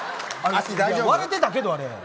割れてたけど、あれ。